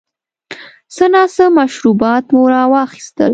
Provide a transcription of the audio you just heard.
څه ناڅه مشروبات مو را واخیستل.